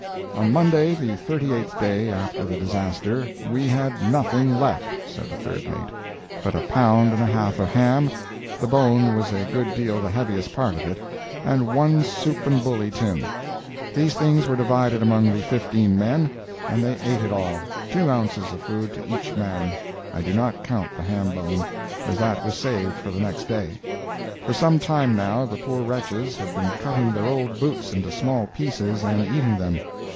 On Monday, the thirty eighth day after the disaster, "we had nothing left," said the third mate, "but a pound and a half of ham—the bone was a good deal the heaviest part of it—and one soup and bully tin." These things were divided among the fifteen men, and they ate it all—two ounces of food to each man. I do not count the ham bone, as that was saved for the next day. For some time, now, the poor wretches had been cutting their old boots into small pieces and eating them.